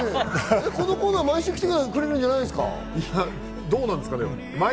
このコーナー、毎週来てくれどうなんですかね。